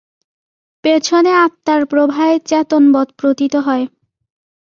পেছনে আত্মার প্রভায় চেতনবৎ প্রতীত হয়।